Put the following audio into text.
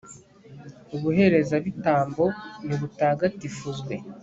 ubuherezabitambo n'ubutagatifuzwe